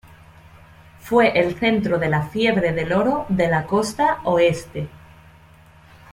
Fue el centro de la fiebre del oro de la Costa Oeste.